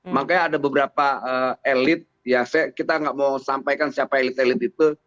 makanya ada beberapa elit ya kita nggak mau sampaikan siapa elit elit itu